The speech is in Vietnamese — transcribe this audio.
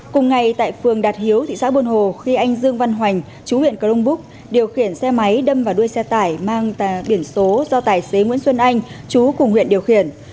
cùng ngày tại phường đạt hiếu thị xã buôn hồ khi anh dương văn hoành chú huyện crong búc điều khiển xe máy đâm vào đuôi xe tải mang biển số do tài xế nguyễn xuân anh chú cùng huyện điều khiển